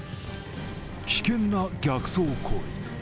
危険な逆走行為。